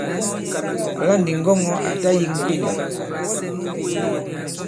Àla ndi ŋgɔŋɔ̄ à ta yem pendà.